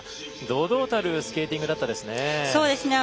堂々たるスケーティングでしたね。